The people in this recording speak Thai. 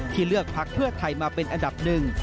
เลือกพักเพื่อไทยมาเป็นอันดับหนึ่ง